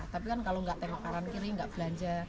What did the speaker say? tapi kan kalau nggak tengok kanan kiri nggak belanja